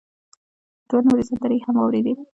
دوه نورې سندرې يې هم واورېدې.